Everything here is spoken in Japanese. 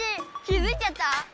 気付いちゃった？